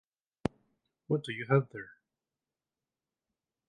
What do you have there?